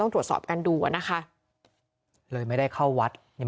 พวกมันต้องกินกันพี่